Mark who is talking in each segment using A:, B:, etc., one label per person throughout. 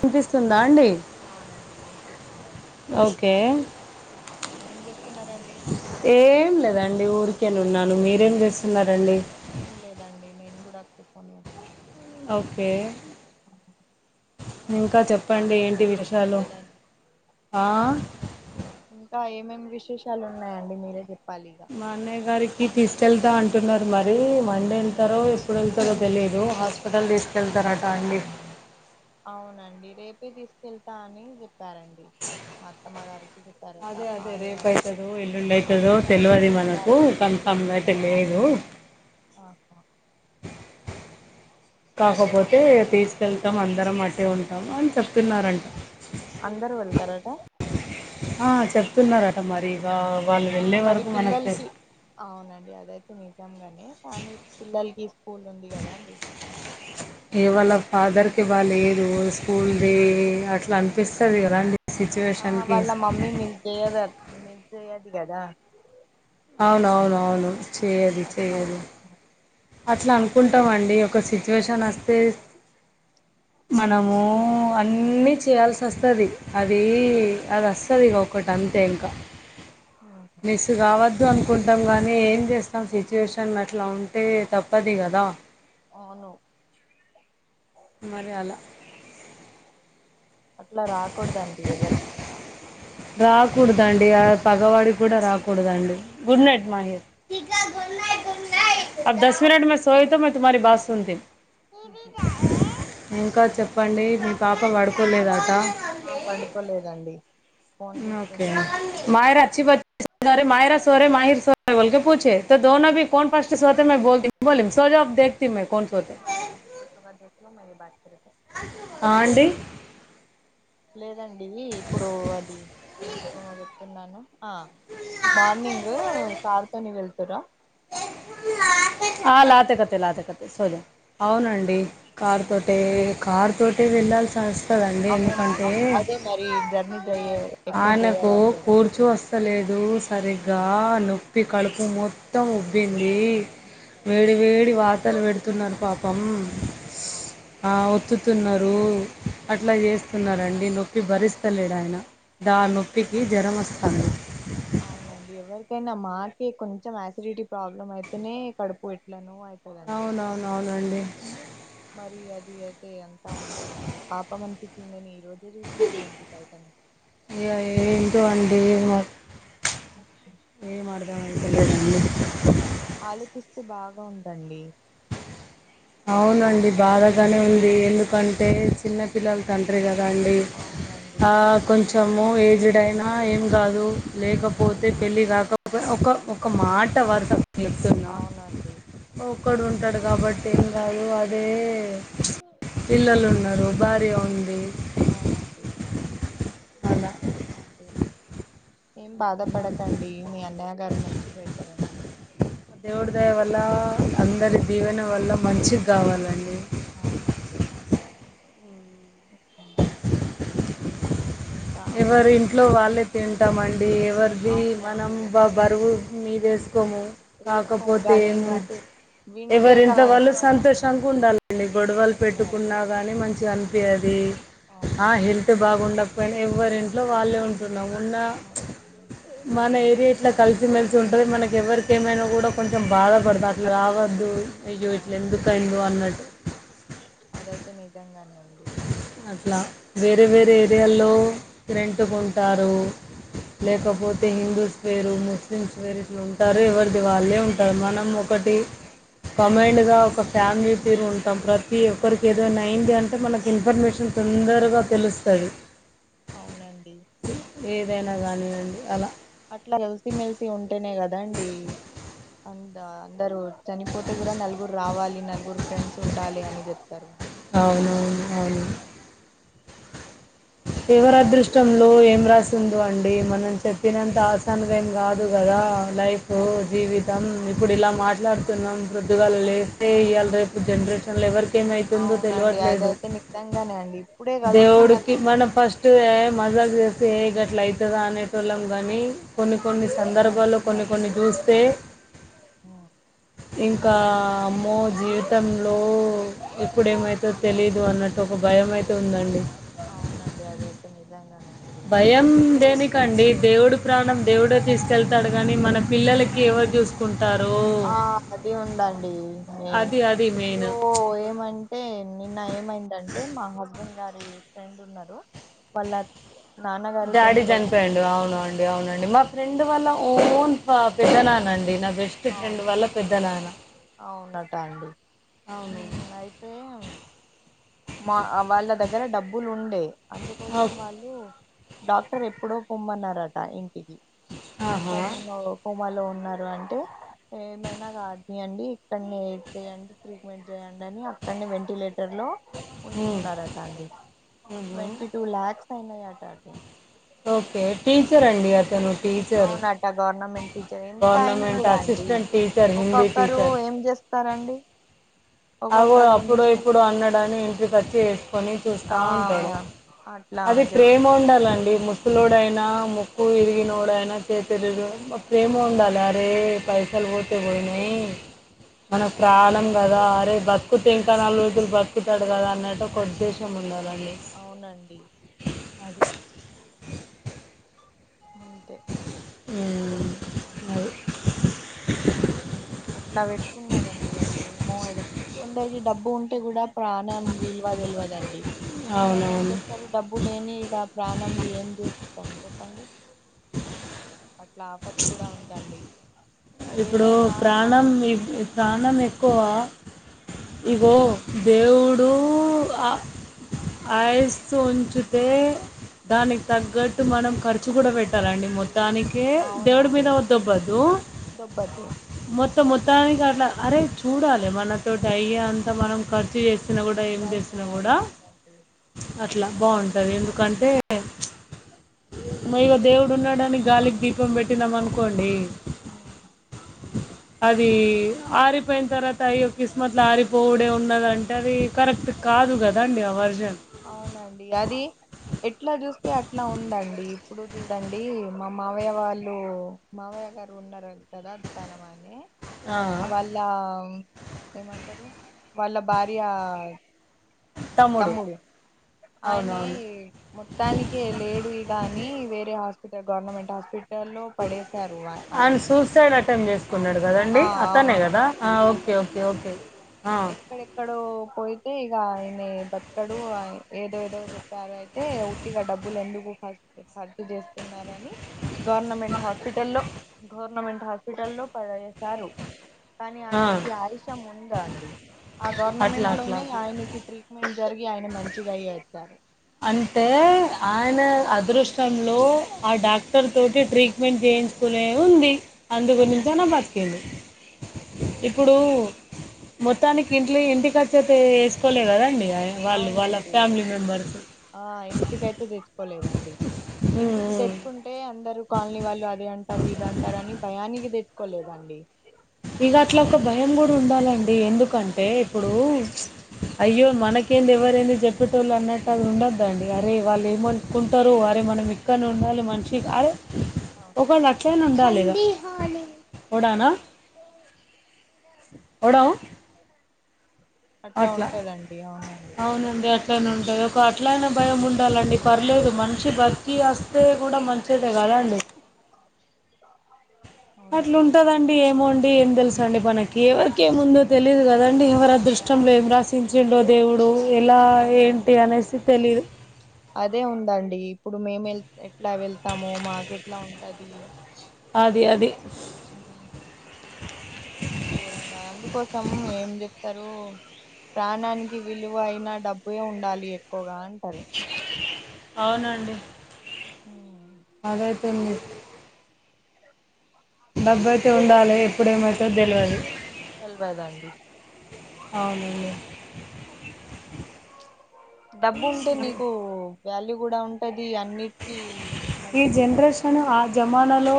A: వినిపిస్తుందా అండి
B: అవునండి వినిపిస్తుందండి
A: ఓకే
B: ఏం చేస్తున్నారండి
A: ఏం లేదాండి ఊరికేనేన్నాను మీరేం చేస్తున్నారండి
B: ఏం లేదండి నేను కూడా కూకొని వింటునండి
A: ఓకే ఇంకా చెప్పండి
B: ఇంకా ఏం
A: ఏంటి విశేషాలు
B: విశేషాలండి
A: ఆ
B: ఇంకా ఏమేమి విశేషాలు ఉన్నాయండి మీరే చెప్పాలి ఇగ
A: మా అన్నయ్య గారికి తీసుకెళ్తా అంటున్నారు మరి మండే వెళ్తారో ఎప్పుడు వెళ్తారో తెలియదు హాస్పిట టల్ తీసుకెళ్తారట అండి
B: అవునండి రేపే తీసుకెళ్తా అని చెప్పారండి మా అత్తమ్మ గారికి చె
A: అదే అదే రేపు అవుతుదో ఎల్లుండి అయితదో
B: ఆవసం
A: తెలివది
B: బాగా
A: మనకు
B: అవుతుంది
A: కన్ఫర్మ్ తెలీదు
B: ఆహా
A: కాకపోతే తీసుకెళ్తాం అందరం అట్టే ఉంటాము అని చెప్తున్నారంట
B: అందరుూ వెళ్తారట
A: ఆ చెప్తున్నారట మరి ఇగా
B: ఆ మరి పిల్లలకి అవునండి అదైతే నిజంగానే కానీ పిల్లలకి స్కూల్ ఉంది కదా అండి
A: ఏ వాళ్ళ ఫాదర్ కి బాలేదు స్కూల్ ది అట్లా అనిపిస్తది కదండి
B: ఆ వాళ్ళ మమ్మీ మిస్ చేయద అత్ మిస్ చేయది కదా
A: అవునవునవును చెయ్యది చెయ్యది
B: ఆ
A: అట్లా అనుకుంటాం అండి ఒక సిచ్యువేషన్ అస్తే మనము అన్నీ చేయాల్సి అస్తది అది
B: ఉహు
A: అది అస్తది ఇగ ఒకటి అంతే ఇంకా
B: ఆహ
A: ఇ కావద్దు అనుకుంటాం కానీ ఏం చేస్తాం సిచ్యుయేషన్ అట్లా ఉంటే తప్పది కదా
B: అవును
A: మరి అలా
B: అట్లా రాకూడదండి ఎవరికింకా
A: రాకూడదండి ఆ పగవాడి కూడా రాకూడదండి గుడ్ నైట్
B: అవునండి
A: మారిహ అబ్ దస్ మినట్మే సో సోయితో
B: లైక్
A: మే తుమ్ారి బత సుంతే
B: ఉహు.
A: ఇంకా చెప్పండి మీ పాపం పడుకోలేదాట
B: ఆ పండుకోలేదండి ఫోన్
A: ఓకే
B: చూస్తుంది
A: మాయరా అచ్చి పచ్చిరే మాయరా సోరే మాహిర్ సోరే ఒకళక పూచే. [unintelligible] ోనో క కోన్ పస్టి సోతే మ బ పోత బలి సోాబ్ దకుత మ కోన్. [unintelligible]
B: తుమ మారాతో పుత్ర చుగాేలో మ మీ బత ఫతో. [unintelligible]
A: ఆ అండి
B: లేదండి ఇప్పుడు అది ఏమో చెప్తున్నాను ఆ మార్నింగ్ కార్ తోని వెల్తుర
A: ఆ లాతె కథె లాతె కథె సో జా అవునండి. కారు తోటే కారుతోటే వెళ్ళాల్సి వస్తదండి ఎందుకంటే.
B: అవునండి అదే మరి జర్నీ చెయ ఎక్కువ
A: ఆయనకు
B: చేయరాదు కదా
A: కూర్చు వస్తలేదు సరిగ్గా నొప్పి కడుపు మొత్తం మొత్తం ఉబ్బింది వేడి వేడి వాాతలు పెడుతున్నారు పాపం.
B: అవునండి
A: ఆ ఒత్తుతున్నారు న్నారు అట్లా చేస్తున్నరండి నొప్పి భరిస్తలేడు ఆయన ద
B: ఆ
A: నొప్పి. కి జ్వరమస్తాంది
B: అవునండి ఎవరికైనా మాకే కొంచెం ఆసిడిటీ ప్రాబ్లం అయితేనే కడుపు ఎట్లనొ అయిపోద్ది దండి
A: అవునవునవునండి.
B: మరి అది అే అంతా ఉంది అండి పాపం అనిపించింది నేను ఈ రోజే చూసినానండి బయటనె
A: ఇక ఏంటో అండి
B: [inaudible]
A: ఏం అర్ధమైతలేదండి
B: ఆలోచిస్తు బాగా ఉండండి.
A: అవునండి
B: కాదండి
A: బాధగానే
B: మీ
A: ఉంది ఎందుకంటే చిన్న పిల్లల తండ్రి కదండి
B: అవునండి
A: ఆ కొంచము ఏజ్డ్ అయినా ఏం కాదు
B: ఏం
A: లేకపోతే
B: కాదు
A: పెళ్ళి కాక ఒక్క ఒక ఒక మాట వరస చెప్తున్నా
B: అవునండి
A: ఒక్కడు ఉంటాడు కాబట్టి ఏం కాదు అదే పిల్లలు ఉన్నారు భార్య ఉంది
B: అవునండి
A: అలా
B: ఓకే ఏం బాధపడకండి మీ అన్నయ్య గారు మంచిగయితారండి
A: దేవుడిదయ వల్ల అందరి దీవెన వల్ల మంచిగ్గావాలండి
B: అవునండి ఇంకా
A: ఎవరి ఇంట్లో వాళ్ళే తింటామండి ఎవరిది మనం
B: అవునండి
A: బా బరువు మీదేసుకోము
B: వేసుకోం
A: కాకపోతే
B: గాని
A: ఏమో
B: వింటే కా
A: ఎవరింట్లో వాళ్ళు సంతోషంగా ఉండాలండి గొడవలు
B: ఉండాలి
A: పెట్టుకున్న కానీ మంచిగ అనిపియ్యది ఆ
B: అవునండి
A: హెల్త్ బాగుండక పోయిన ఎవరి ఇంట్లో వాళ్ళే ఉ ఉన్నా మన ఏరియా ఇట్లా కలిసిమెలిసి ఉంటది మనకి ఎవరికేమైనా కూడా కొంచెం బాధపడతు అట్లా కావద్దు
B: అవునండి అదైతే నిజంగానే అండి
A: అట్లా వేరే వేరే ఏరియాల్లో రెంటుకుంటారు
B: ఉమ్,
A: లేకపోతే తే హిందూస్ వేరు ముస్లిమ్స్ వేరు ఇట్లుంటారు ఎవరిది వాళ్ళే ఉంటారు మనం ఒకటి కంబైండు గా ఒక ఫ్యామిలీ తీరు ఉంటాం ప్రతి ఒక్కరికి ఏదైనా అయ్యంది అంటే మనకి ఇన్ఫర్మేషన్ తొందరగా తెలుస్తది
B: అవునండి
A: ఏదైనా కానివండి అలా
B: అట్లా కలిసిమెలిసి ఉంటేనే కదండి అందా అందరూ చనిపోతే గురా నలుగురు రావాలి నలుగురు ఫ్రెండ్స్ ఉండాలి అని జెప్తారు
A: అవునవును అవును
B: అట్లా
A: ఎవరదృష్టం లో ఏం రాసిందో అండి మనం చెప్పినంత ఆసాన్గా ఏం గాదు గదా లైఫ్ ఫూ జీవితం ఇప్పుడు ఇలా మాట్లాడుతున్నాం ప్రొద్దుగాల లేస్తే ఇయ్యాల రేప్ బ్బుడు జండ్రేషన్ లో ఎవరికేమైతుందో
B: అవునండి
A: తెలవట్లేదు
B: అదైతే నిజంగానే అండి ఇప్పుడే కలిసి
A: దేవుడికి
B: మళ్ళీ
A: మనం ఫస్టు ఏ మజా జేస్తే గట్లైతదా అనేటోళ్ళం గాని కొన్ని కొన్ని
B: ఇప్పుడైతే
A: సందర్భాల్లో కొన్ని
B: అటుందండి
A: కొన్ని జూస్తే ఇంకా అమ్మో జీవితంలో ఎప్పుడేమైతద్ తెలిదు అన్నట్ ట్టు ఒక భయమైతే ఉందండి
B: అవునండి అదైతే నిజంగానే అండి
A: భయం
B: ఇప్పుడు
A: దేనికండి దేవుడు ప్రాణం దేవుడే తీస్కెళ్తాడు గాని మన పిల్లలకి ఎవర్ జూస్కుంటారో
B: ఆ అది ఉందండి నేను
A: అది
B: ఇప్పుడూ
A: మెయిన్
B: ఏమైం టే నిన్న ఏమైందంటే మా హస్బెండ్ గారీ ఫ్రెండ్ ఉన్నరు వాళ్ళ నాన్నగారు
A: డాడి జన్పొయిండు
B: చనిపోయారండి
A: అవును అం డి అవునండి మా ఫ్రెండు వాల్ల ఓన్ పా పెద్దనానండి నా బెస్టు ఫ్రెండు వాల్ల పెద్దనాయన
B: అవునట్ట అండి
A: అవును
B: హుమ్ అయితేమ్ మా ఆ వాళ్ళ దగ్గర డబ్బులుండే అందుకోసం
A: ఓకే.
B: వాళ్ళు డాక్టర్ ఎప్పుడో పోమ్మన్నారట ఇంటికి
A: ఆహా.
B: కొమ్మాలో కోమాలో ఉన్నరు అంటే ఏమైనా కానీయండి ఇక్కన్నే ఇదిచేయండి ట్రీట్మెంట్ జేయండి అని అక్కన్నే వెంటిలేటర్ లో
A: ఉమ్.
B: ఉంచుకున్నారట అండి
A: ఉహు.
B: ట్వంటీ టూ లాక్స్ యైనాయట అండి
A: ఓకే టీచరండి అతను టీచర్
B: అవ్ నట్ట గవర్నమెంట్ టీచర్ ఎంత అయినా
A: గవర్నమెంట్
B: గూడా అండి
A: అసిస్టెంట్ టీచర్ హిందీ
B: ఒక్కొక్కరు
A: టీచర్
B: ఏం జేస్ స్తరండి
A: అగో అప్పుడు ఇప్పుడు అన్నడని ఇంటికొచ్చి ఏస్కొని చూస్తా
B: ఆ
A: ఉంటడు
B: అట్లా
A: అది
B: చెప్
A: ప్రేమ ఉండాలండి ముస్ సులోడైనా ముక్కు విరిగినోడైనా చేతిరుగు బ ప్రేమ ఉండాల రే పైసలు బోతేవోని మన ప్రాణం గదా అరే బత్కు ఇంకా నా నాలుగు రోజులు బత్కుతాడు గదా అన్నట్టు ఒక ఉద్దేశం ఉండాలండి
B: అవునండి
A: అదే
B: అంతే
A: ఊ
B: అట్లా వెట్టుకున్నారండి అది ఏమో అదో కొందరికి డబ్బు ఉంటే గుడా ప్రాణం విల్వ దెల్వదండి కొందరు ఏం
A: అవునవును
B: జెస్తరు డబ్బు లేని ఇగ ప్రాణం జి ఏం జేస్తాం జెప్పండి అట్లా ఆపతి గూడా ఉందండి
A: ఇప్పుడూ
B: ఏదైనా
A: ప్రాణం ఇది ప్రాణం ఎక్కువ ఇగో దేవుడూ ఆ ఐస్తు వుంచితే దానికి తగ్గట్టు మనం ఖర్చు గుడా పెట్టాలండి మొత్తానికి ఏ [unintelligible] దోబ్బద్దు
B: దుబ్బద్దు
A: మొత్తం మొత్తానికి అట్లా అరే చూడాలి మనతోటి అయ్య అంతా మనం ఖర్చు చేస్త తినగు కూడా ఏం
B: ట్రై
A: చేసినా
B: చేయాలి
A: కూడా
B: అవునండి
A: అట్లా బాగుంటది ఎందుకంటే మీదా దేవుడు ఉన్నాడని గాలికి దీపం పెట్టినాం అనుకోండి
B: అ
A: అది ఆరిపోయిన తర్వాత అయొ కిస్మత్ లో ఆరిపోవుడే ఉన్నదంటే అది కరెక్ట్ కాదు కదండి ఆ వర్జన్
B: అవునండి అది ఎట్లా చూస్తే అట్లా ఉందండి ఇప్పుడు చూడండి మా మామయ్య వాళ్ళు మామయ్య గారు ఉన్నారు కదా దుకాణంఅనే
A: ఆ
B: లా ఏమంటారు వాళ్ళ భార్య
A: తమ్ముడు
B: ఆయనే
A: అవునవును
B: మొత్తానికి లేడు ఇదా అని వేరే హాస్పిటల్ గవర్నమెంట్ హాస్పిటల్ లో పడేసరు ఆయనని
A: సైడ్ అటెంట్ చేసుకున్నాడు కదండి
B: ఆ
A: అతనే
B: అవును
A: కదా ఆ ఓకే ఓకే ఓకే ఆ
B: ఇక్కడెక్కడో పోయితే ఇక ఆయన బతక్కదు అయి ఏదో ఏదో చెప్ చెప్పారు అయితే ఉతిగా డబ్బులు ఎందుకు ఖర్చఖర్చు చేస్తున్నారని గవర్నమెంట్ హాస్పిటల్లో గవర్నమెంట్ హాస్పిటల్లో పడేశారు కానీ
A: ఆ,
B: ఆయనకి ఆయుషం ఉందా అండి ఆ
A: అట్లా
B: గవర్నమెంట్
A: అట్లా
B: లోనే
A: అట్లా
B: ఆయనకి ట్రీ మేలు జరిగి ఆయన మంచిగా అయ్యాసారు
A: అంటే ఆయన అదృష్టంలో ఆ డాక్టర్ తోటి ట్రీట్ మెంట్ చేయించుకునే ఉంది అందు
B: ఉమ్,
A: గురించి అనా బతికేండు ఇప్పుడు మొత్తానికి ఇంటి ఇంటి ఖర్చు అయితే వేసుకోలే కదండి అయన
B: అవునండి ఆ ఇంటికితే తెచ్చుకోలేదండి ఇంటికి తెప్పుటుకుంటే అందరు కాలనీ వాళ్ళు అదే అంటా రు ఇద అంటార అని భయానికి తెచ్చుకోలేదండి
A: ఇక అట్లా ఒక భయం కూడా ఉండాలండి ఎందుకంటే
B: ఉండాలి
A: ఇప్పుడు అయ్యో మనకి ఎవరెన్ని జెప్పిన టోళ్లు ఉండొద్దా అరె వాళ్ళు ఏమి అనుకుంటారు అరె మరి క్కను ఉండాలి మనిషి ఆరే
B: అవున్
A: ఒకళ్లు అట్లనా ఉండాలి ఇగా వడ అట్లా
B: ఉంటదండి అవునండి
A: అవునండి అట్లా అట్లనే ఉంటుంది ఒక అట్లయినా భయం ఉండాలండి పర్లేదు మనిషి బతికి వస్తే కూడా మంచిదే కదాండి అట్లా
B: అవునండి
A: ఉంటదండి ఏమోండి ఏం తెలీసుఅండి మనకి ఎవరికేముందో తెలియదు కదండి ఎవర అదృష్టం
B: అవును
A: ఏమిరాసించిండో దేవుడు ఎలా
B: అవునండి
A: ఏంటి అనేసి తెలియదు
B: అదే ఉందండి ఇప్పుడు మేము వె ఎట్లా వెళ్తాము మాకు ఎట్లా ఉంటది
A: అది అది
B: ఉహ్ అది ఘోరంగా అందుకోసం ఏం చెప్తారు ప్రాణానికి విలువ అయినా డబ్బు ఉండాలి ఎక్కువగా అంటారు
A: అవునండి
B: ఉమ్,
A: అదైతే నిజ డబ్బయితే ఉండాలే ఎప్పుడేమైతదొ తెల్వదు
B: తెల్వదండీ
A: అవునండి
B: డబ్బు ఉంటే నీకు వ్యాల్యూ కూడా ఉంటది అన్ని కీ
A: ఈ
B: మంచిగా ఉంటద అండి
A: జనరేషన్ ఆ జమానాలో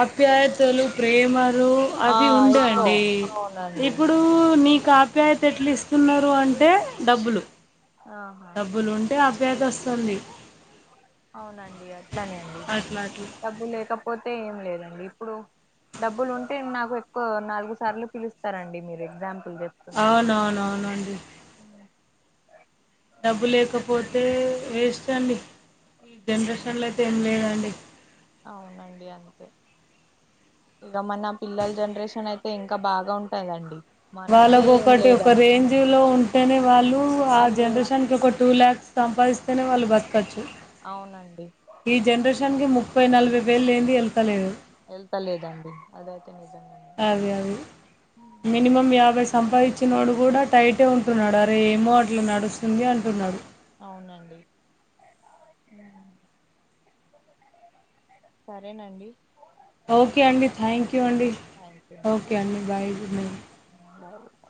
A: ఆప్యాయతలు ప్రేమలు
B: ఆ
A: అవి ఉండే
B: ఎక్కువ
A: అండి
B: అవునండి
A: ఇప్పుడు ఊ నీకు ఆప్యాయత ఎట్ల ఇస్తున్నారు అంటే డబ్బులు
B: ఆహా
A: డబ్బులు ఉంటే ఆప్యాయత వస్తుంది
B: అవునండి అట్లానే అండి
A: అట్లా అట్లా
B: డబ్బు లేకపోతే ఏం లేదండి ఇప్పుడు డబ్బులు ఉంటే నాకు ఎక్కువ నాలుగు సార్లు పిలుస్తారండి మీరు ఎగ్జాంపుల్ చెప్
A: అవునావునావునఅండి
B: అ
A: డబ్బు లేకపోతే వేస్ట్ అండి ఈ జనరేషన్లో అయితే ఏం లేదండి
B: అవునండి అంతే ఇగా మ నా పిల్లల జనరేషన్ అయితే ఇంకా బాగా ఉంటదండి మనకే
A: వాళ్ళకు
B: ఏం
A: ఒకటి ఒక
B: లేదండి
A: రేంజ్ లో ఉంటేనే వాళ్ళు ఆ
B: వాళ్ళు
A: జనరేషన్కి ఒక టూ ల్యాక్స్ సంపాదిస్తేనే వాళ్ళు బతకచ్చు
B: అవునండి
A: ఈ జనరేషన్ కి ముప్పై నలభై వేలు లేనిది ఏళ్తలేదు
B: ఏళ్తాలేదండి అదైతే నిజంగానే
A: అవి అవి మినిమం యాభై సంపాదిచ్చినోడు కూడా టైటే ఉంటున్నాడు అరే ఏమో అట్లా నడుస్తుంది అంటున్నాడు
B: అవునండి సరేనండి
A: ఓకే అండి థ్యాంక్ యూ అండి
B: ధన్యవాదాలండి
A: ఓకే అండి బాయ్ గుడ్ నైట్
B: అవు